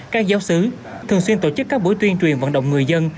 các giáo sứ thường xuyên tổ chức các buổi tuyên truyền vận động người dân